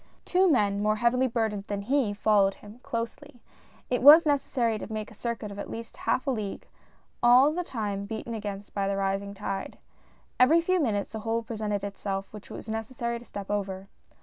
Two men, more heavily burdened than he, followed him, closely. It was necessary to make a circuit of at least a half league, all the time beaten against by the rising tide. Every few minutes a hole presented itself which it was necessary to step over.